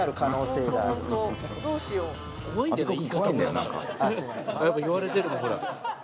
やっぱ言われてるほら。